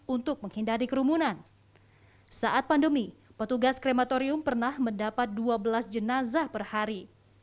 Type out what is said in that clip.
untuk menghindari kerumunan saat pandemi petugas krematorium pernah mendapat dua belas jenazah per hari